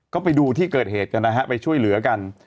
ก็ไปดูที่เกิดเหตุกันนะฮะไปช่วยเหลือกัน